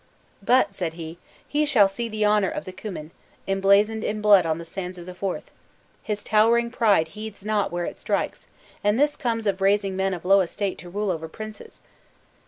"But," said he, "he shall see the honor of the Cummin, emblazoned in blood on the sands of the Forth! His towering pride heeds not where it strikes; and this comes of raising men of low estate to rule over princes!"